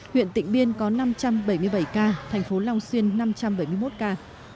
huyện tịnh biên có năm trăm bảy mươi bảy ca thành phố long xuyên năm trăm bảy mươi một ca